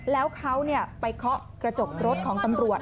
แล้วเขาไปเคาะกระจกรถของตำรวจ